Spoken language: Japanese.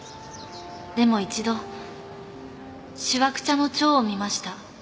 でも一度しわくちゃの蝶を見ました。